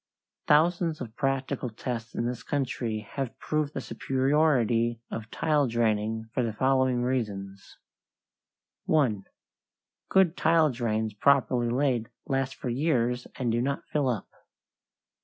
Thousands of practical tests in this country have proved the superiority of tile draining for the following reasons: 1. Good tile drains properly laid last for years and do not fill up.